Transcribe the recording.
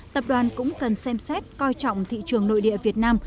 tập đoàn cũng cần xem xét coi trọng thị trường nội địa việt nam